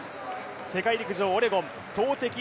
世界陸上オレゴン投てき